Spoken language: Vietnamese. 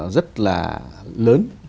rất là lớn